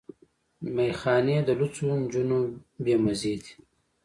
ميخانې د لوڅو جونو بې مزې دي